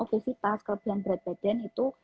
aktivitas kelebihan berat badan itu